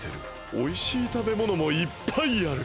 おいしいたべものもいっぱいある。